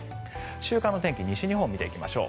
週間の天気を見ていきましょう。